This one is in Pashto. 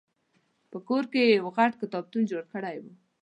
په کور کې یې یو غټ کتابتون جوړ کړی و.